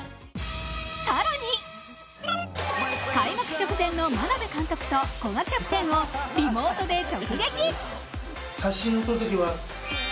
更に開幕直前の眞鍋監督と古賀キャプテンをリモートで直撃。